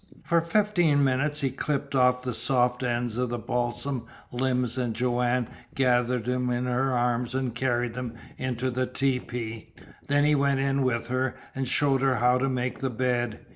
For fifteen minutes he clipped off the soft ends of the balsam limbs and Joanne gathered them in her arms and carried them into the tepee. Then he went in with her, and showed her how to make the bed.